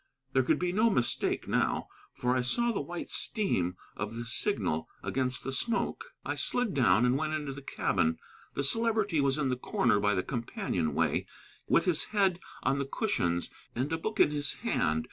There could be no mistake now, for I saw the white steam of the signal against the smoke. I slid down and went into the cabin. The Celebrity was in the corner by the companionway, with his head on the cushions and a book in his hand.